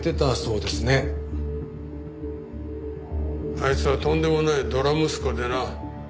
あいつはとんでもないドラ息子でな。